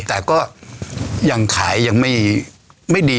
แต่ก็ยังขายยังไม่ดี